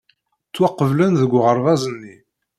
Ttwaqeblen deg uɣerbaz-nni.